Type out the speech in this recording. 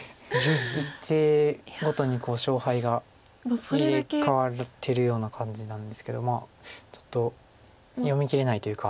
一手ごとに勝敗が入れ替わってるような感じなんですけどちょっと読みきれないというか。